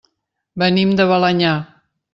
Venim de Balenyà.